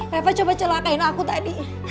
reva coba celakain aku tadi